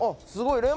すごい。